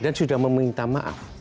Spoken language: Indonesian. dan sudah meminta maaf